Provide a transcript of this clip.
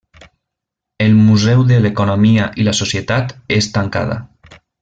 El Museu de l'economia i la societat és tancada.